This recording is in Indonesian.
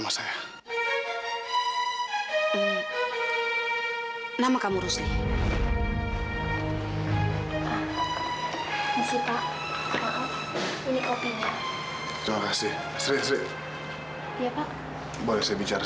aku harus balikin ke dia